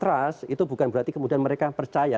trust itu bukan berarti kemudian mereka percaya